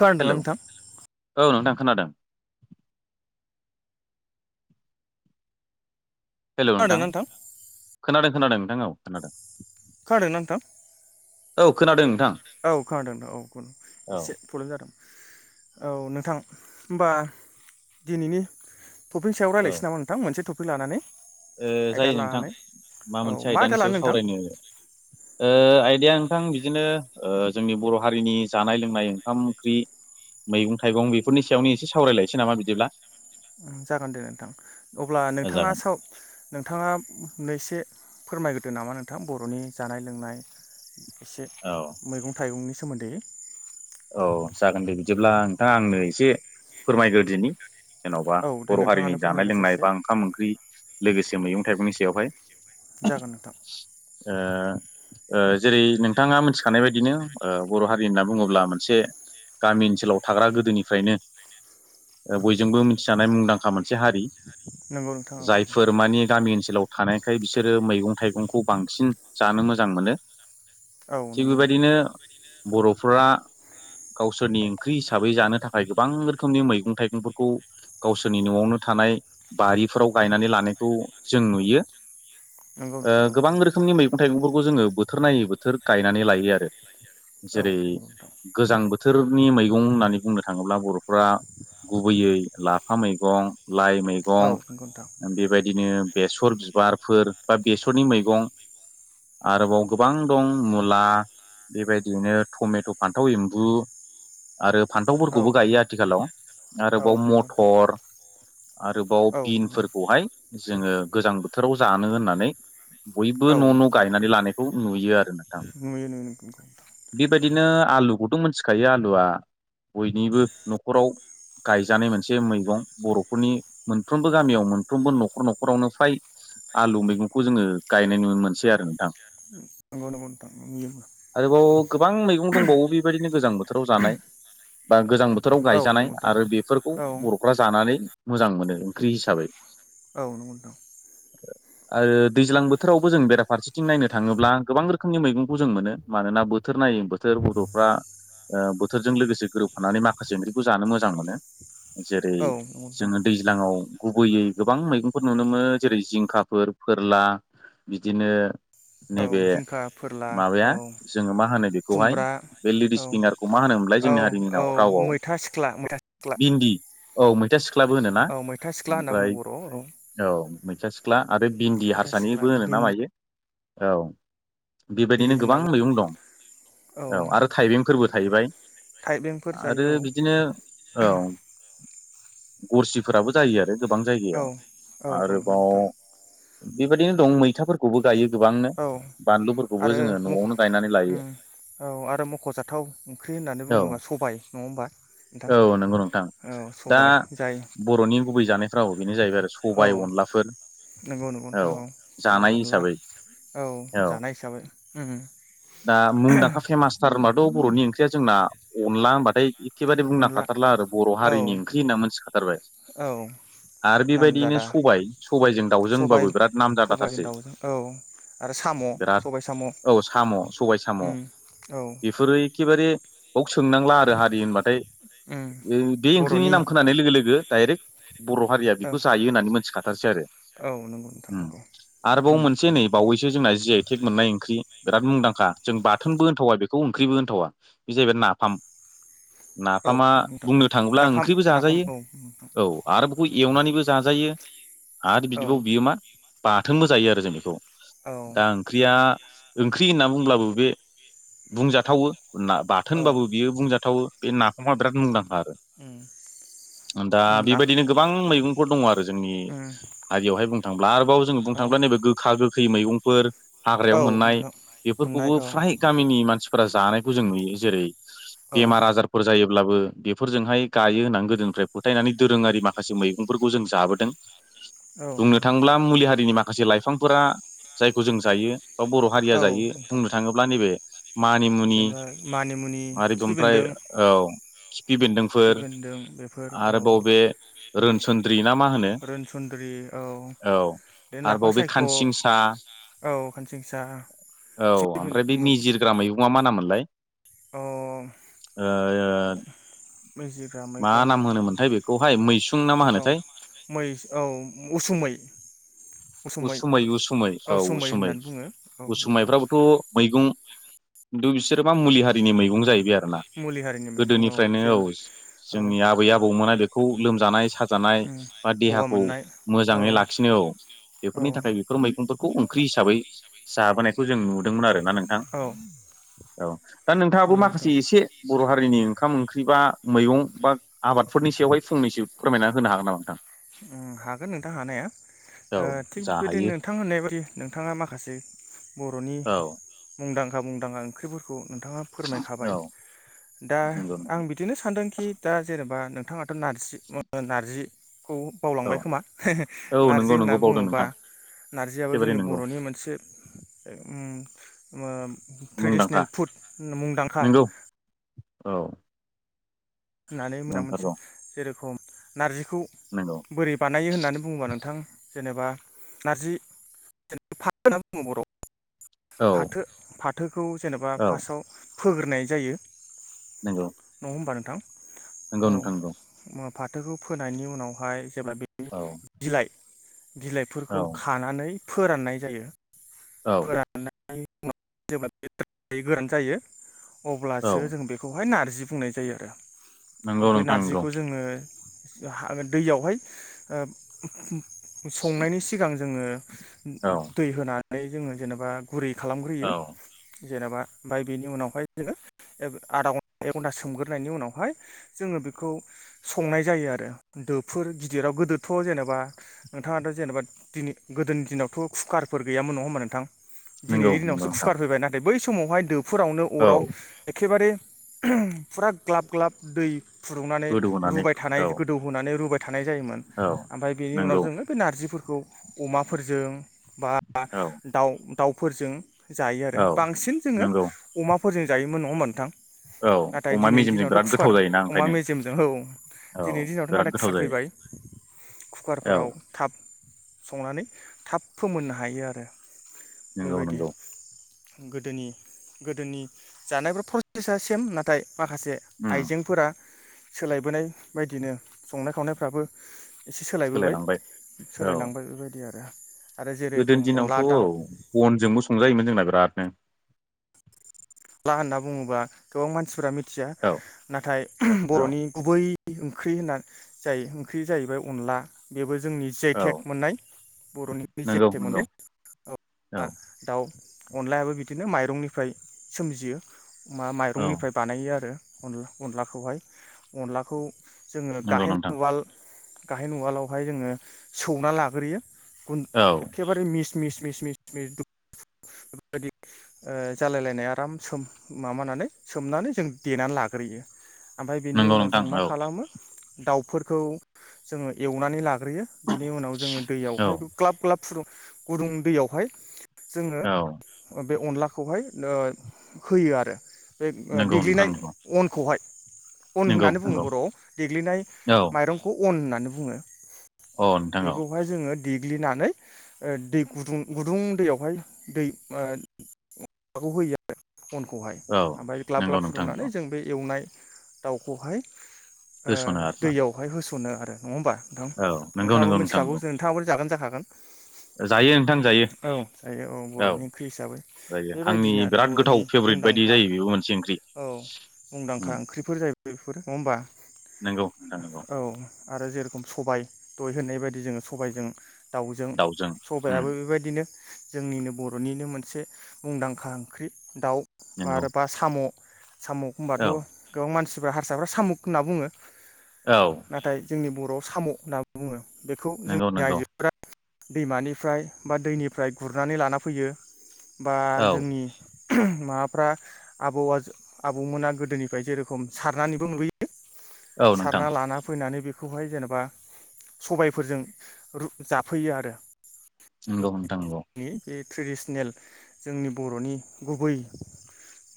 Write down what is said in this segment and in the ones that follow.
खोनादोंना हेलौ नोंथां। औ नोंथां खोनादों। हेल' नोंथां खोनादों खोनादों नोंथां औ खोनादों। खोनादोंना नोंथां? औ खोनादों। नोंथां औ खोनादों नोंथां औ खोनादों औ इसे प्रब्लेम जादों औ नोंथां होमबा दिनैनि टपिकनि सायाव औ रायज्लायनोसै नामा नोंथां मोनसे टपिक लानानै ओ आयदा जायो नोंथां लानानै माबा औ मोनसे मा आयदा आयदानि लानो सायाव नोंथां सावरायनो ओ आइदिया नोंथां बिदिनो जोंनि बर' हारिनि जानाय लोंनाय ओंखाम ओंख्रि मैगं थाइगं बेफोरनि सायावनो एसे सावरायलायनोसै नामा बिदिब्ला जागोन दे नोंथां अब्ला नोंथाङा जागोन साव नोथाङा नैसे फोरमायग्रोदो नामा नोंथां बरनि जानाय लोंनाय इसे औ मैगं थाइगंनि सोमोन्दै औ जागोन दे बिदिब्ला नोंथाङा आंनो इसे फोरमायग्रो दिनि जेनबा औ दे बर नोंथाङानो हारिनि जानाय फोरमायग्रोसै लोंनाय एसे बा ओंखाम ओंख्रि लोगोसे मैगं थाइगंनि सायावहाय जागोन नोंथां ओ ओ जेरै नोंथाङा मिथिखानाय बायदि ओ बर‌ हारि होनना बुङोब्ला माने मोनसे गामि ओनसोलाव थाग्रा गोदोनिफ्रायनो बयजोंबो मिथिजानाय मुंदांखा मोनसे हारि। नंगौ नोंथां औ जायफोर माने गामि ओनसोलाव थानायखाय बिसोरो मैगं थाइगंखौ बांसिन जानो मोजां मोनोव औ थिग नंगौ नोंथां बेबायदिनो बर'फोरा गावसोरनि ओंख्रि हिसाबै जानो थाखाय गोबां रोखोमनि मैगं थाइगंफोरखौ गावसोरनि नआवनो थानाय बारिफोराव गायनानै लानायखौ जों नुयो। नंगौ ओ नोंथां औ गोबां नंगौ रोखोमनि मैगं थाइगंफोरखौ जोङो बोथ बोथोर नायै बोथोर गायनानै लायो आरो औ जेरै गोजां बोथोरनि मैगं होननानै बुंनो थाङोब्ला बर'फोरा गुबैयै लाफा मैगं लाइ औ मैगं नंगौ नोंथां बेबायदिनो बेसर बिबारफोर बा बेसरनि मैगं आरोबाव गोबां दं मुला बेबायदिनो थमेथ' फान्थाव एम्बु आरो औ फान्थावफोरखौबो गायो आथिखालाव औ आरोबाव नंगौ नोंथां मटर आरोबाव औ नंगौ बिनफोरखौहाय जोङो गोजां बोथोराव जानो होननानै बयबो औ न नंगौ न नोंथां गायनानै लानायखौ नुयो आरो नोंथां नुयो नुयो नंगौ नोंथां [inaudible] बेबायदिनो आलुखौथ मिथिखायो आलुआ बयनिबो न'खराव गायजानाय मोनसे मैगं बरफोरनि मोनफ्रोमबो गामियाव मोनफ्रोमबो नखर नखरावनो फ्राय आलु मैगंखौ जोङो गायनाय नुनो मोनसै आरो नोंथां नंगौ नंगौ नोंथां गौ गोबां मैगं दंबावो बेबायदिनो गोजां बोथोराव जानाय बा गोजां बोथोर बोथोराव औ नंगौ गायजानाय नोंथां आरो बेफोरखौ औ बरफ्रा जानानै मोजां मोनो ओंख्रि हिसाबै। औ नोंगौ नोंथां। आरो दैज्लां बोथोरावबो जों बेराफारसेथिं नायनो थाङोब्ला गोबां रोखोमनि मैगंखौ जों मोनो मानोना बोथोर नायो बोथोर थोर बडफ्रा ओ बोथोरजों लोगोसे गोरोबफानानै माखासे ओंख्रिखौ जानो मोजां मोनो। जेरै औ नंगौ जोङो नोंथां दैज्लाङाव गुबैयै गोबां मैगंफोर नुनो मोनो जेरै जिंखाफोर, फोरला बिदिनो औ नैबे जिंखा फोरला माबाया औ जोङो मा होनो बे खौहाय खुमब्रा बे औ लेडिस फिंगारखौ मा होनोमोनलाय औ जोंनि हारिनि औ रावआव मैथा सिख्ला मैथा सिख्ला बिन्दि औ मैथा सिख्लाबो होनोना औ मैथा सिख्ला होनना बुङो ओमफाय बर'आव औ औ मैथा सिख्ला आरो भिन्दि मैथा सिख्ला हारसानिबो होनोना भिन्दि मायो औ बेबायदिनो होनना गोबां मैगं दं औ आरो थाइबेंफोरबो थाहैबाय थाइबेंफोर आरो जायो औ बिदिनो औ गरसिफोराबो जायो आरो गोबां औ जायगायाव औ औ आरोबाव नोंथां बेबायदिनो दं मैथाफोरखौबो गायो गोबांनो औ आरो बानलुफोरखौबो जोङो मख' न'आवनो गायना उम लायो। औ आरो मखजाथाव ओंख्रि होननानै औ बुंङोबा सबाय नंङा होमबा नोंथां? औ नंगौ औ दा सबाय जाय बर'नि गुबै जानायफ्राव बेनो जाहैबाय आरो औ सबाय अनलाफोर नंगौ नंगौ औ नोंथां सबाय जानाय अनला हिसाबै। औ जानाय हिसाबै उम उम। दा मुंदांखा फेमासथार होनबाथ' बर'नि ओंख्रिया जोंना अनला होनबाथाय एखेबारे बुंनां अनला खाथारला आरो बर औ हारिनि ओंख्रि होनना मोनथिखाथारबाय। औ आरो बेबायदियैनो नामजादा सबाय सबायजों दाउजों सबाय होनबाबो बिराद नामजादा सबायजों थारसै। दाउजों औ आरो साम' बिराद सबाय साम' औ साम' सबाय साम' उम औ बेफोरो एखेबारे बाव सोंनांला आरो हारि होनबाथाय उम ओ बे ओंख्रिनि बर'नि नाम खोनानाय लोगो लोगो डाइरेक्ट बर' हारिया औ बिखौ जायो होननानै मोनथिखाथारसै आरो। औ नंगौ नोंथां उम नंगौ आरोबाव उम मोनसे नै बावैसो जोंना जि आइ टेग मोननाय ओंख्रि बिराद मुंदांखा। जों बाथोनबो होनथावा बेखौ ओंख्रिबो होनथावा बे जाहैबाय नाफाम नाफ औ फामा नोंथां बुंनो थाङोब्ला नाफाम ओंख्रिबो नाफाम जाजायो औ नोंथां औ आरो बखौ एवनानैबो जाजायो। आरो औ बिदिबाव बियो मा बाथोनबो जायो आरो जों बेखौ औ दा ओंख्रिया ओंख्रि होनना बुंब्लाबो बे बुंजाथावो। ना बाथोन औ हनबाबो बियो बुंजाथावो बे नाफामा बिराद मुंदांखा आरो। उम दा उम ना बेबायदिनो गोबां मैगंफोर दङ आरो जोंनि उम हारियावहाय बुं थांब्ला आरोबाव जोङो बुं औ थांब्ला नैबे गोखा गोखैै मैगंफोर हाग्रायाव औ मोननाय नोंथां बेफोरख मोननाय औ फ्राय गामनि मानसिफोरा जानायखौ जों नुयो जेरै औ बेमार आजारफोर जायोब ब्लाबो बेफोरजोंहाय गायो होननानै गोदोनिफ्राय फोथायनानै दोरोङारि माखासे मैगंफोरखौ जों जाबोदों। औ बुंनो नोंथां थाङोब्ला मुलि हारिनि माखासे लाइफांफोरा जायखौ जों जायो बा बर' हारिया औ जायो नोंथां बुंनो थाङोब्ला नैबे मानिमुनि जेनेबा मानिमुनि आरो खिफि बमफ्राय बेन्दों औ। खिफि खिफिबेन्दोंफोर बेन्दों बेफोर औ आरो बाव बे रोनसोन्द्रि ना मा होनो रोनसुन्द्रि औ औ बिदिनो लाफा आरोबाव बे सायख' खानसिंसा औ खानसिंसा औ खिफि बेन ओमफ्राय बे मिजिरग्रा मैगंआ मा नामोनलाय? अ मिजिग्रा मा मैगं नाम होनोमोनथाय बेखौहाय मैसुं ना मा औ होनोथाय? मै औ उसुमै उसुमै उसुमै औ सुमै उसुमै होननानै बुङो औ उसु बर'आव उसुमायफ्राबोथ' मैगं थु बिसोर मा मुलि हारिनि मैगं जाहैबाय आरो। दाना मुलि हारिनि मैगं गोदोनिफ्रायनो औ जेब्ला औ जोंनि आबै आबौमोना बेखौ लोमजानाय साज जानाय उम बा गगा देहाखौ मोननाय औ मोजाङै लाखिनो औ औ बेफोरनि थाखाय बेफोर मैगंफो खौ ओंख्रि हिसाबै जाबोनायखौ जों नुद दों मोन आरोना नोंथां औ औ दा नोंथाङाबो नंगौ नोंथां माखासे एसे बर' हार रिनि ओंखाम ओंख्रि बा मैगं बा आबादफोरनि सायावहाय फंनैसो फोरमायना होनो हागोन नामा नोंथां? ओं हागोन नोंथां हानाया। औ ओ थिग जा बिदिनो हायो नोंथां होननाय बायदि नोंथाङा माखासे बर'नि औ मुंदांखा मुंदांखा ओंख्रिफोर खौ नोंथाङा फोरमायखाबाय औ दा नंगौ आं नोंथां बिदिनो सानदोंखि दा जेनेबा नों दाथ' नारजि नार्जि खौ औ बावलांबाय खोमा औ नार्जि नंगौ होनना नंगौ बावदों बुङोबा नोंथां नारजियाबो एखेबारे जोंनि नंगौ बर'नि मोनसे ओ उम मुंदांखा थ्रेडिसनेल फुड मुंदांखा नंगौ औ होननानै मोना मोनथियो नांथारगौ जेरखम नारजि खौ नंगौ बोरै बानायो होननानै बुङोबा नोंथां। जेनेबा नारजि जेन फा फाथ होनना बुङो बर'आव। औ फाथो फाथोखौ जेनेबा औ फासआव फोग्रोनाय जायो। नंगौ न'हमबा न नंगौ नोंथां नंगौ। फाथोखौ फोनायनि उनावहाय जेब्ला बे नि औ बिलाइ बिलाइफोरखौ औ खानानै फोराननाय जायो औ फोरान नाय गोरान जायो औ अब्लासो जों बेखौहाय नार नारजि बुंनाय जायो आरो नंगौ बे नोंथां नंगौ नारजिखौ जोङो दैयावहाय संनायनि सिगां जोङो औ दै होनानै जोङो जेनेबा गुरै औ खालामग्रोयो जेनेबा ओमफफ्राय बेनि उनावहाय जोङो आदा घन्टा एक घन्टा सोमग्रोनायनि उनावहाय जोङो बेखौ संनाय जायो आरो दोफोर गिदिराव गोदोथ' जेनेबा नोंथाङाथ' जेनेबा दिनै गोदोनि दिनावथ' कुकारफोर गैयामोन नङा होमबा नोंथां? नंगौ दिनैनि नंगौ दिनावसो नोंथां कुकार फैबाय नाथाय बै समावहाय दोफोरावनो औ अराव एखेबारे ओम फुरा ग्लाब ग्लाब दै फुदुंनानै गोदौ होनानै रुबाय थानाय औ गोदौहोनानै रुबाय थ थानाय जायोमोन औ ओमफ्राय बेनि उनाव नंगौ जोङो बे नारजिफोरखौ अमाफोरजों बा औ दाउ दाउफोरजों जायो आरो औ बांसिन जोङो नंगौ अमा फोरजों जायोमोन नङा मोनथां? औ अमा मेजेमजों बिराद गो अमा मेजेमजों औ औ दिनैनि दिनावथ' बिराद नदथाय गोथाव कुवार जायो फैबाय कुकारफोराव औ थाब संनानै थाब फोमोननो हायो आरो नंगौ बेबायदि नंगौ। गोदोनि गोदोनि जानायफोर प्रसेसा सेम नाथाय माखासे उम आइजेंफोरा सोलायबोनाय बायदिनो संनाय खावनायफ्राबो एसे सोलायबोबाय सोलायलांबाय औ सोलायलांबाय बेबायदि आरो आरो जेरोखोम गोदोनि दिनावथ' अनला दाउ बनजोंबो संजायोमोन जोंना बिरादनो हला होनना बुङोब्ला गोबां मानसिफोरा मिथिया औ नाथाय औ बर'नि गुबै ओंख्रि होनना जायो ओंख्रि जाहैबाय अनला बेबो जोंनि औ जिआइटेक मोननाय बर'नि नंगौ जेथेक नंगौ मोनै औ दाउ अनलायाबो बिदिनो माइरंनिफ्राय सोमजियो मा औ माइरंनिफ्राय बानायो आरो अनला अनलाखौहाय अनलाखौ जोङो नंगौ गाहेन नोंथां उवाल गाहाय नवालावहाय जोङो सौना लाग्रोयो गुन औ एखेबारे मिस मिस मिस मिस। [unintelligible] बेफोरबायदि ओ जालायलायनाय आराम सोम माबानानै सोमनानै जों देनानै लाग्रोयो। ओमफ्राय बेनि नंगौ उनाव नोंथां जों मा औ खालामो दाउफोरखौ जो एवनानै ला संग्रोयो बिनि उनाव जोङो औ दैयावहाय ग्लाब ग्लाब फुुंदु गुदुं दैयावहाय जोङो औ बे अनलाखौहाय होयो आरो बे ओ नंगौ नोंथां देग्लिनाय नंगौ अनखौहाय अन नंगौ होननानै बुङो नंगौ बर'आव देग्लिनाय औ माइरंखौ अन होननानै बुंङो औ नोंथां औ बेखौहाय जोङो देग्लिनानै दै गुदुं गुदुं दैयावहाय दै माबाखौ होयो आरो [unintelligible] अनखौहाय औ ओमफफ्राय ग्लाब नंगौ ग्लाब नोंथां फुदुंनानै नंगौ जों बे एवनाय दाउखौहाय ओ होस'नो आरोना दैयावहाय होस'नो आरो नङा होमबा नोंथां औ नंगौ नोंथाङाबो नंगौ नोंथां मिथिखागौ नंगौ नोंथाङाबो जागोन जाखा [unintelligible] जायो नोंथां जायो औ थायो औ बर'नि ओंख्रि हिसाबै जायो आंनि बेबायदिनो आरो बिराद गोथाव बर'नि फेभरेट बायदि मुंदांखा जायो बेबो मोनसे ओंख्रि औ उम मुंदांखा ओंख्रिफोर जाहैबाय बेफोर नङा होमबा? नंगौ नोंथां नंगौ। औ आरो जेरेखम सबाय दहय होननाय बायदि जोङो सबायाइजों दाउजों सबायाबो बेबायदिनो जोंनिनो बर'निनो मोनसे मुंदांखा ओंख्रि दाउ नंगौ आरोबा साम' साम' होनबाथ' औ गोबां मानसिफ्रा हारसाफ्रा सामु'ख होनना बुङो औ नाथाय जोंनि बर' साम' होनना बुङो बेखौ नंगौ जोंनि नंगौ आइजोफ्रा दैमानिफ्राय बा दैनिफ्राय गुरनानै लाना फैयो बा औ जोंनि माबाफ्रा आबौ आबौमोना गोदोनिफ्राय जेरेखम सारनानैबो मोनबोयो। औ नोंथां सारना लाना फैनानै बेखौ बेखौहाय जेनेबा सबायफोरजों जाफैयो आरो नोंगौ नोंथां नंगौ जोंनि बे ट्रेडिसनेल जोंनि बरनि गुबै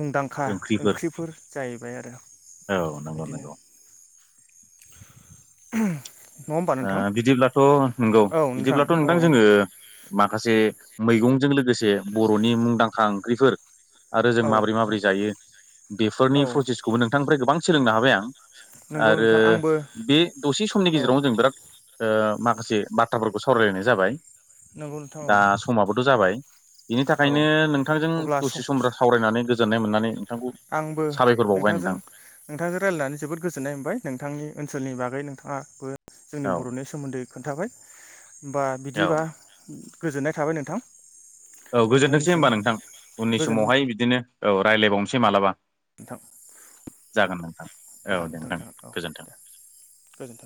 मुंदांखा ओंख्रिफोर जाहैबाय आरो औ नंगौ बिदिनो नंगौ [unintelligible] ओ नोंथां बिदिब्लाथ नंगौ औ बिदिब्लाथ औ नोंथां जोङो माखासे मैगंजों लोगोसे बरनि मुंदांखा ओंख्रिफोर आरो जों औ माबोरै माबोरै जायो बेफोरनि औ प्रसेसखौबो नोंथांनिफ्राय गोबां सोलोंनो हाबाय आं नंगौ आरो नोंथां आंबो बे दसे समनि औ गेजेराव बिराद ओ माखासे बाथ्राफोरखौ सावरायलायनाय जाबाय नंगौ नोंथां औ दा समाबोथ जाबाय बिनि औ थाखायनो नोंथांजों अब्ला स दसे सम सावरायनानै गोजोननाय मोननानै नोंथांखौ आंबो साबायखर बावबाय नोंथांजों नोंथां नोंथांजों रायलायनानै जोबोद गोजोननाय मोनबाय नोंथांनि ओनसोलनि बागै नोंथांङाबो जोंनि औ बर'नि सोमोन्दै खोन्थाबाय बा औ बिदिबा गोजोननाय थाबाय नोंथां औ गोजोनथोंसै नोंथांनिसिम होनबा नोंथां उननि गोजोन समावहाय बिदिनो औ रायज्लायबावनोसै मालाबा। नोंथां जागोन नोंथां औ जागोन दे नोंथां जागोन औ गोजोन्थों दे गोजोन्थों